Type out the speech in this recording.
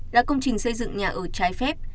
là công trình xây dựng nhà ở trái phép